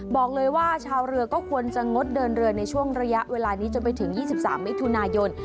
บอกเลยว่าชาวเรือก็ควรจะงดเดินเรือในช่วงระยะเวลานี้จนไปถึง๒๓มิถุนายน